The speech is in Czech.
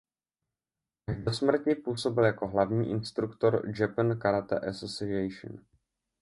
Až do smrti působil jako hlavní instruktor Japan Karate Association.